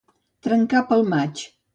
Trencar pel mig.